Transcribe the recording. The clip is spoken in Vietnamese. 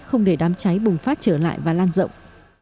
không để đám cháy bùng phát trở lại và lan rộng